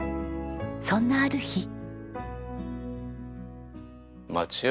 そんなある日。